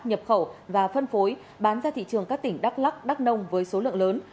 nhập khẩu và phân phối bán ra thị trường các tỉnh đắk lắc đắk nông với số lượng lớn